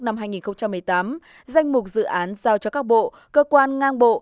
năm hai nghìn một mươi tám danh mục dự án giao cho các bộ cơ quan ngang bộ